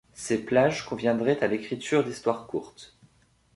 Ces plages conviendraient à l'écriture d'histoires courtes.